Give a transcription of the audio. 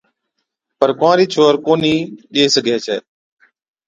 پَر ڪنوارِي ڇوهر ڪونهِي ڏي سِگھَي ڇَي